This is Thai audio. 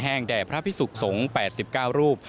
แห่งแด่พระพิศุกร์สงฆ์๘๙รูป